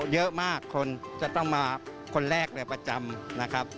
บัวลอยเจ้านี่เยอะมากคนแรกเรียบประจำนะครับ